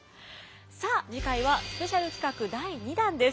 さあ次回はスペシャル企画第２弾です。